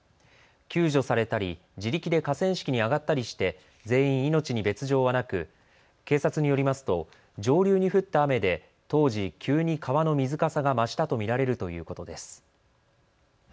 救助されたり自力で河川敷に上がったりして全員命に別状はなく警察によりますと上流に降った雨で当時、急に川の水かさが増したと見られるということです。